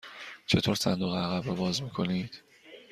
چطور صندوق عقب را باز می کنید؟